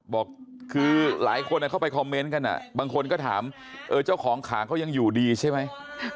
บอกคือหลายคนเข้าไปคอมเมนต์กันบางคนก็ถามเจ้าของขาเขายังอยู่ดีใช่ไหม